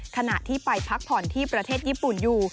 ขณะที่ไปพักผ่อนที่ประเทศญี่ปุ่นอยู่